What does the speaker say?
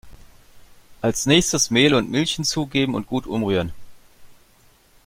Als nächstes Mehl und Milch hinzugeben und gut umrühren.